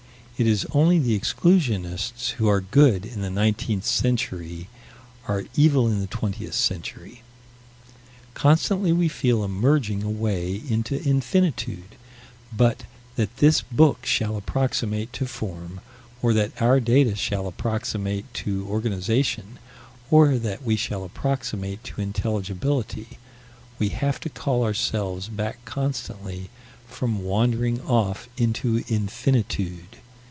It is only that exclusionists who are good in the nineteenth century are evil in the twentieth century. Constantly we feel a merging away into infinitude; but that this book shall approximate to form, or that our data shall approximate to organization, or that we shall approximate to intelligibility, we have to call ourselves back constantly from wandering off into infinitude.